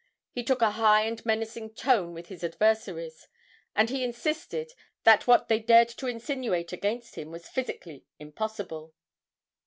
He took a high and menacing tone with his adversaries, and he insisted that what they dared to insinuate against him was physically impossible.'